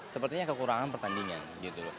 sepertinya kekurangan pertandingan gitu